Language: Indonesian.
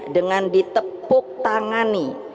dengan ditepuk tangani